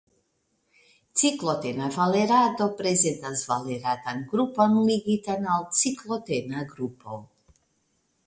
Ciklotena valerato prezentas valeratan grupon ligitan al ciklotena grupo.